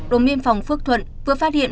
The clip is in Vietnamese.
đồng biên phòng phước thuận vừa phát hiện